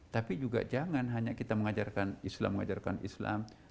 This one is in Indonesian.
tapi juga jangan hanya kita mengajarkan islam mengajarkan islam